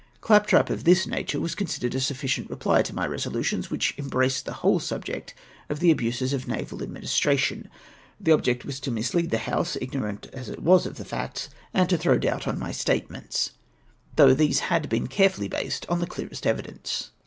Claptrap of this nature was considered a sufficient reply to my resolutions, which embraced the whole subject of the abuses of naval administration. The object was to mislead the House, ignorant as it was of facts, and to throw doubt on my statements, though these had been carefully based on the clearest evi dence.